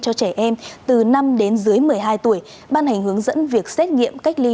cho trẻ em từ năm đến dưới một mươi hai tuổi ban hành hướng dẫn việc xét nghiệm cách ly